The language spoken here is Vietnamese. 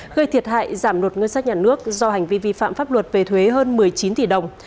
gây thiệt hại giảm nộp ngân sách nhà nước do hành vi vi phạm pháp luật về thuế hơn một mươi chín tỷ đồng